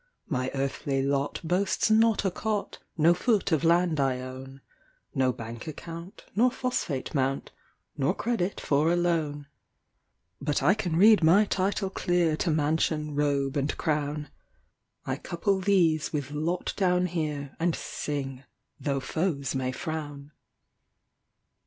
My earthly lot boasts not a cot, No foot of land I own, No bank account nor phosphate mount, Nor credit for a loan; But I can read my title clear To mansion, robe, and crown; I couple these with lot down here, And sing, tho' foes may frown.